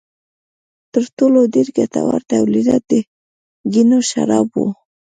تر ټولو ډېر ګټور تولیدات د ګنیو شراب و.